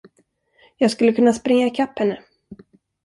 Jag skulle kunna springa ikapp henne.